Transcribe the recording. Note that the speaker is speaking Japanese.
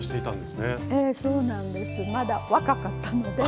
そうなんですまだ若かったので。